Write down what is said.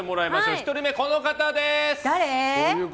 １人目、この方です。